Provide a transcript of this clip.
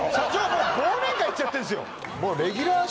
もう忘年会行っちゃってんですよ